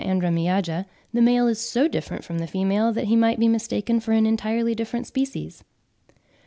andremiaja) the male is so different from the female that he might be mistaken for an entirely distinct species.